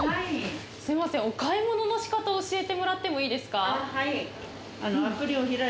すいませんお買い物の仕方を教えてもらってもいいですか？